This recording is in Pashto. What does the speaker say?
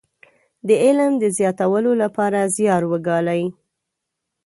د علم د زياتولو لپاره زيار وګالي.